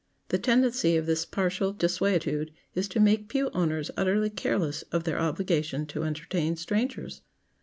The tendency of this partial desuetude is to make pew owners utterly careless of their obligation to entertain strangers.